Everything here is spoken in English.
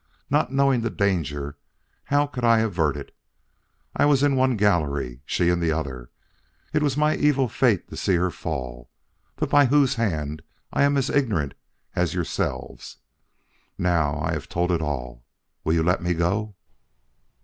Not knowing the danger, how could I avert it? I was in one gallery, she in the other. It was my evil fate to see her fall, but by whose hand I am as ignorant as yourselves. Now I have told it all. Will you let me go?"